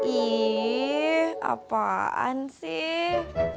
ih apaan sih